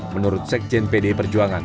menurut sekjen pd perjuangan